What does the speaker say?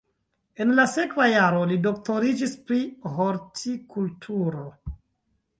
En la sekva jaro li doktoriĝis pri hortikulturo.